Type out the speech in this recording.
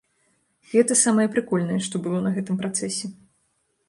Гэта самае прыкольнае, што было на гэтым працэсе.